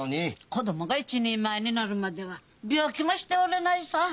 子どもが一人前になるまでは病気もしておれないさぁ。